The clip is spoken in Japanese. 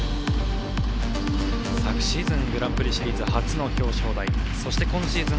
昨シーズングランプリシリーズ初の表彰台そして、今シーズン